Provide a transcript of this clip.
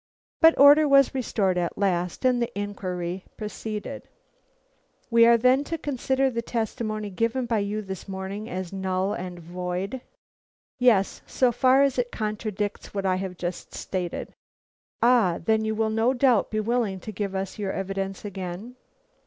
But order was restored at last, and the inquiry proceeded. "We are then to consider the testimony given by you this morning as null and void?" "Yes, so far as it contradicts what I have just stated." "Ah, then you will no doubt be willing to give us your evidence again?"